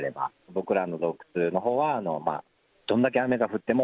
僕らの洞窟のほうはどんだけ雨が降っても、